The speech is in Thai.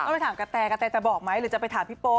ก็ไปถามกระแตกระแตจะบอกไหมหรือจะไปถามพี่โป๊